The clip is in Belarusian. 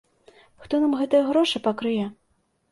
Хто нам гэтыя грошы пакрые?